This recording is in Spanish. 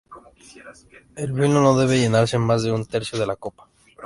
El vino no debe llenarse más de un tercio de la copa.